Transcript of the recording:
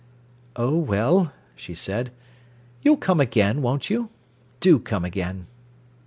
"Oh, well," she said, "you'll come again, won't you? Do come again."